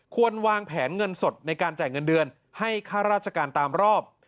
ควรวางแผนเงินสดในการจ่ายเงินเดือนให้ค่าราชการตามรอบ